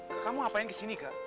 kak kamu ngapain kesini kak